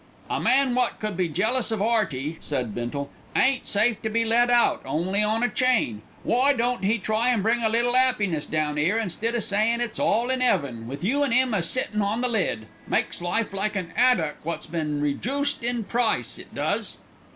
"A man wot could be jealous of 'Earty," said Bindle, "ain't safe to be let out, only on a chain. Why don't 'e try an' bring a little 'appiness down 'ere instead o' sayin' it's all in 'eaven, with you an' 'im a sittin' on the lid. Makes life like an 'addock wot's been rejooced in price, it does."